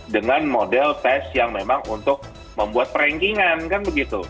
dengan model tes yang memang untuk membuat per rankingan